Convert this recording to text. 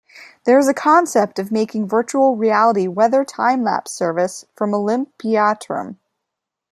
There is a concept of making Virtual Reality weather timelapse service from Olympiaturm.